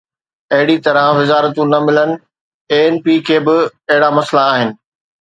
اهڙي طرح وزارتون نه ملن، اي اين پي کي به اهڙا مسئلا آهن.